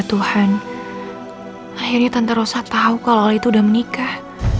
tuhan akhirnya tante rosa tahu kalau itu udah menikah